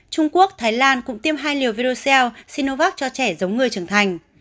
trung quốc thái lan cũng tiêm hai liều virus sinovac cho trẻ giống người trưởng thành